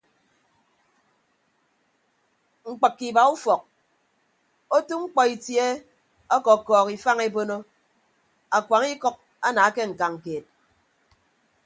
Mkpịkke iba ufọk otu mkpọ itie ọkọkọọk ifañ ebono akuañ ikʌk ana ke ñkañ keed.